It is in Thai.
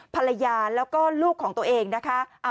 ภรรยาแล้วก็ลูกของตัวเองนะคะ